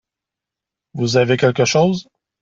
Vous avez quelque chose ?